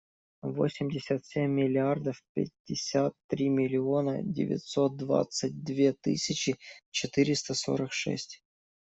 Восемьдесят семь миллиардов пятьдесят три миллиона девятьсот двадцать две тысячи четыреста сорок шесть.